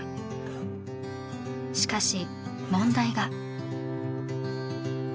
しかし問題が。